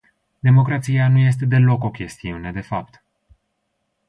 Democrația nu este deloc o chestiune de fapt.